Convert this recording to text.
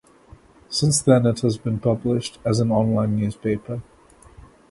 Since then it has been published as an online newspaper.